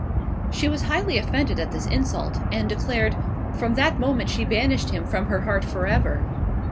She was highly offended at this insult, and declared, "From that moment she banished him from her heart for ever."